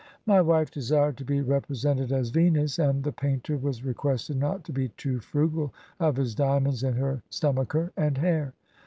"My wife de sired to be represented as Venus, and the painter was requested not to be too frugal of his diamonds in her stomacher and hair.